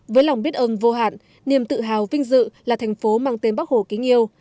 với lòng biết ơn vô hạn niềm tự hào vinh dự là thành phố mang tên bắc hồ kính yêu